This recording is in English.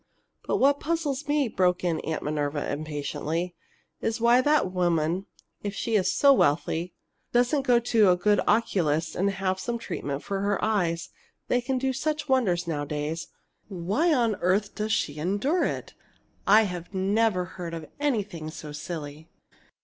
"But what puzzles me," broke in Aunt Minerva, impatiently, "is why that woman, if she's so wealthy, doesn't go to a good oculist and have some treatment for her eyes. They can do such wonders nowadays. Why on earth does she endure it? I never heard of anything so silly!"